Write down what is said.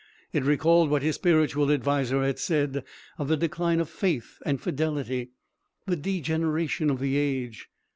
It recalled what his spiritual adviser had said of the decline of faith and fidelity, the degeneration of the age.